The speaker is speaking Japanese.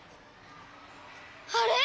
あれ？